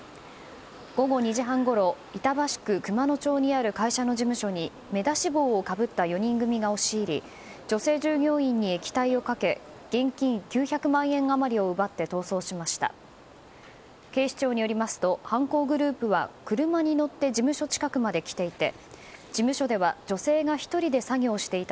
午後２時半ごろ板橋区熊野町にある会社の事務所に目出し帽をかぶった４人組が押し入り女性従業員に液体をかけ現金９００万円余りを奪って逃走しました。